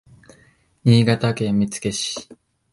新潟県見附市